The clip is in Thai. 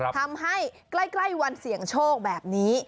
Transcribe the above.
ทำให้ใกล้วันเสี่ยงโชคแบบนี้